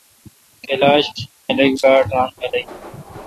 کلاش خلق باڑ ران خلق این۔